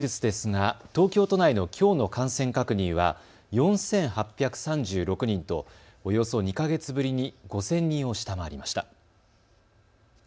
さて新型コロナウイルスですが、東京都内のきょうの感染確認は４８３６人とおよそ２か月ぶりに５０００人を下回りました。